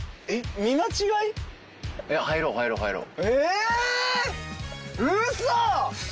入ろう入ろう入ろう。